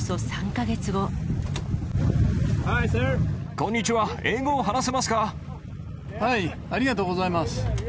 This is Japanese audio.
こんにちは、はい、ありがとうございます。